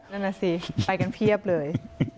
นั่นน่ะสิไปกันเพียบเลย